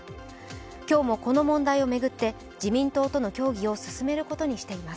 今日もこの問題を巡って自民党との協議を進めることにしています。